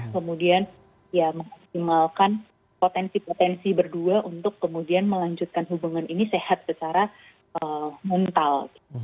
kemudian ya maksimalkan potensi potensi berdua untuk kemudian melanjutkan hubungan ini sehat secara muntal